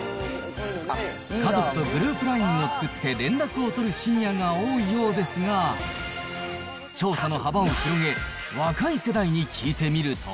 家族とグループＬＩＮＥを作って連絡を取るシニアが多いようですが、調査の幅を広げ、若い世代に聞いてみると。